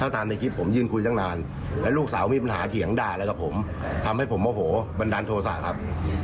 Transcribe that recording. ตามในคลิปผมยืนคุยตั้งนานแล้วลูกสาวมีปัญหาเถียงด่าอะไรกับผมทำให้ผมโมโหบันดาลโทษะครับ